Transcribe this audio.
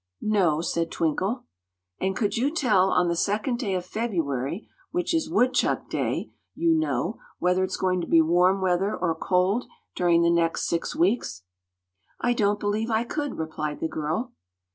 "No," said Twinkle. "And could you tell, on the second day of February (which is woodchuck day, you know), whether it's going to be warm weather, or cold, during the next six weeks?" "I don't believe I could," replied the girl.